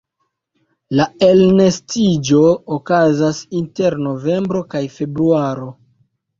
La elnestiĝo okazas inter novembro kaj februaro.